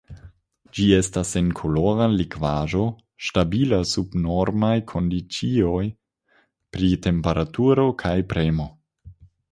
Ĝi estas senkolora likvaĵo, stabila sub normaj kondiĉoj pri temperaturo kaj premo.